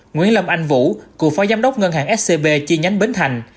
nguyễn lâm anh vũ cựu phó giám đốc ngân hàng scb chi nhánh bến thành